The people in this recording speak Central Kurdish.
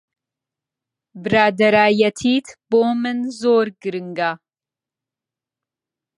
برادەرایەتیت بۆ من زۆر گرنگە.